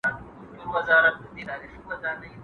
ولي مدام هڅاند د تکړه سړي په پرتله لوړ مقام نیسي؟